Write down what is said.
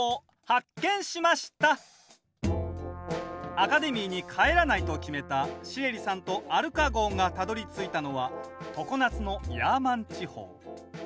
アカデミーに帰らないと決めたシエリさんとアルカ号がたどりついたのは常夏のヤーマン地方。